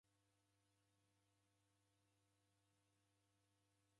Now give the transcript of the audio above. W'andu w'engi w'erew'adwa ni homa.